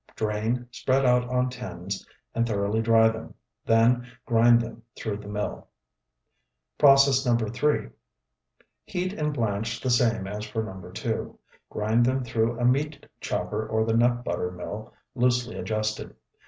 Drain, spread out on tins, and thoroughly dry them; then grind them through the mill. PROCESS NO. 3 Heat and blanch the same as for No. 2. Grind them through a meat chopper or the nut butter mill loosely adjusted.